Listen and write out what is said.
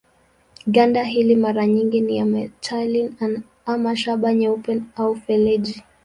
Ganda hili mara nyingi ni ya metali ama shaba nyeupe au feleji.